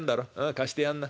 貸してやんな。